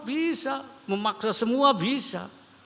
bisa memaksa semua bisa